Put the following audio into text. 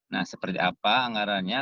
nah seperti apa anggarannya